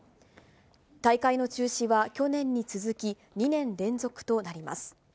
大会の中止は、去年に続き２年連続となります。